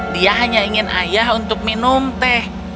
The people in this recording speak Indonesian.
dia hanya ingin ayah untuk minum teh